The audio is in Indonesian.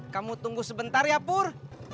kamu tunggu sebentar ya pur